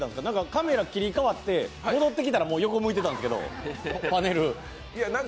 カメラ切り替わって戻ってきたら横向いてたんですけど、パネル。